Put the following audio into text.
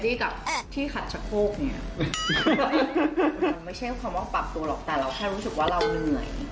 บางทีเราต้องมาใช้นิสัยกับที่ขัดสะโค้กเนี่ย